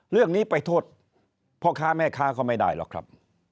เรื่องนี้ไปโทษพ่อค้าแม่ค้าก็ไม่ได้หรอกครับ